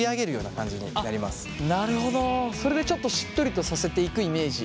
それでちょっとしっとりとさせていくイメージ？